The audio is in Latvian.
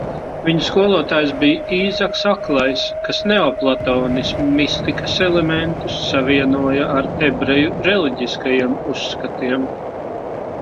Viņa skolotājs bija Īzaks Aklais, kas neoplatonisma mistikas elementus savienoja ar ebreju reliģiskajiem uzskatiem.